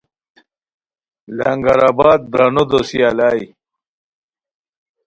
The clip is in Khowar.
لنگر آباد برانو دوسی الائے